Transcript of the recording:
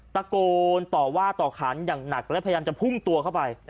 ตะโกนต่อว่าต่อขานอย่างหนักและพยายามจะพุ่งตัวเข้าไป